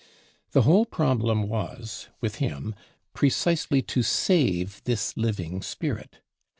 The whole problem was with him precisely to save this living spirit.